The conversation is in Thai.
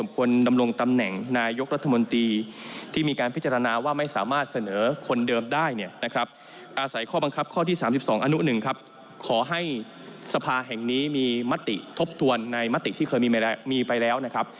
ข้อที่๓๒อนุ๑ขอให้สภาแห่งนี้มีมติทบทวนในมติที่เคยมีไปแล้วนะครับ